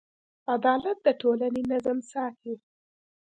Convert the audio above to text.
عدالت د ټولنې نظم ساتي.